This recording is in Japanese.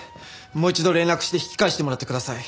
もう一度連絡して引き返してもらってください。